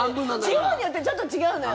地方によってちょっと違うのよ。